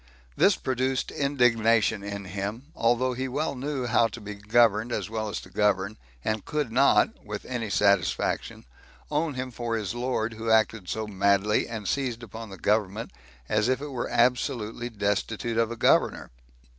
This produced indignation in him, although he well knew how to be governed as well as to govern, and could not, with any satisfaction, own him for his lord who acted so madly, and seized upon the government as if it were absolutely destitute of a governor.